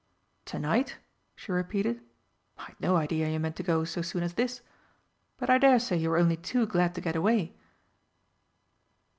"To night," she repeated, "I'd no idea you meant to go so soon as this. But I dare say you are only too glad to get away."